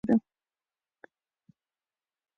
ننګرهار د افغانستان د سیاسي جغرافیه برخه ده.